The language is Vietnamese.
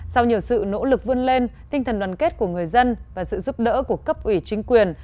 sau nhiều sự nỗ lực vươn lên tinh thần đoàn kết của người dân và sự giúp đỡ của cấp ủy chính quyền